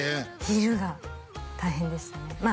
昼が大変でしたね